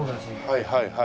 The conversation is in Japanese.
はいはいはい。